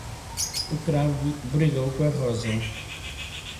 O cravo brigou com a rosa.